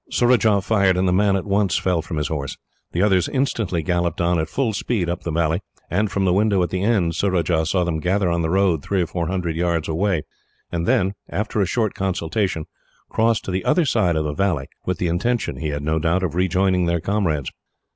Surajah fired, and the man at once fell from his horse. The others instantly galloped on at full speed up the valley, and from the window at the end, Surajah saw them gather on the road three or four hundred yards away; and then, after a short consultation, cross to the other side of the valley, with the intention, he had no doubt, of rejoining their comrades.